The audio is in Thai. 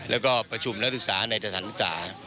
แล้วก็ประชุมนักศึกษาในสถานศึกษา